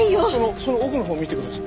その奥のほう見てください。